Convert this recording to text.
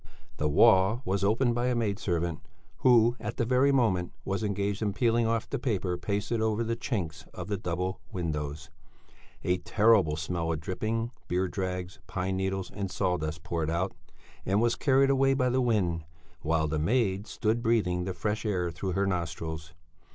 The wall was opened by a maid servant, who, at the very moment, was engaged in peeling off the paper pasted over the chinks of the double windows; a terrible smell of dripping, beer dregs, pine needles, and sawdust poured out and was carried away by the wind, while the maid stood breathing the fresh air through her nostrils.